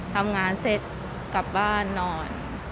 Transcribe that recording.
ทำงานเสร็จกลับบ้านนอน